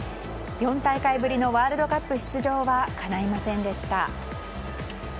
４大会ぶりのワールドカップ出場はかないませんでした。